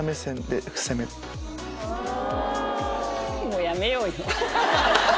もうやめようよ。